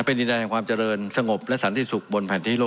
เพราะมันก็มีเท่านี้นะเพราะมันก็มีเท่านี้นะ